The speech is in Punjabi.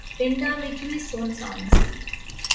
ਪਿੰਡਾਂ ਵਿਚ ਵੀ ਸੁੰਨ ਸਾਨ ਸੀ